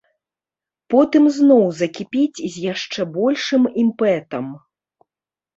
Потым зноў закіпіць з яшчэ большым імпэтам.